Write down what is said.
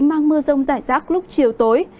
mang mưa rông rải rác lúc chiều tối